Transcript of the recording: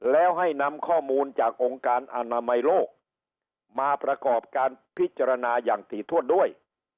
แล้วให้นำข้อมูลจากองค์การอนามัยโลกมาประกอบการพิจารณาอย่างถี่ถ้วนด้วย